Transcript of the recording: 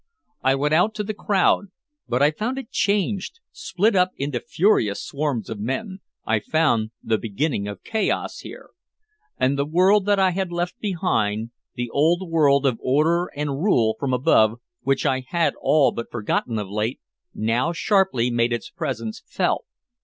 I went out to the crowd but I found it changed, split up into furious swarms of men, I found the beginning of chaos here. And the world that I had left behind, the old world of order and rule from above, which I had all but forgotten of late, now sharply made its presence felt.